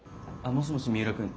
もしもし三浦くん。